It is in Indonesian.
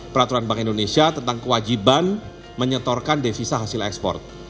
peraturan bank indonesia tentang kewajiban menyetorkan devisa hasil ekspor